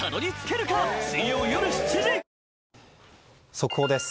速報です。